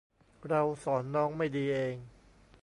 เราสอนน้องไม่ดีเอง